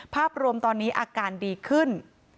ภาพรวมตอนนี้อาการดีขึ้น